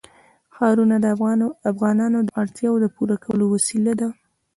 ښارونه د افغانانو د اړتیاوو د پوره کولو وسیله ده.